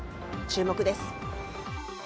注目です。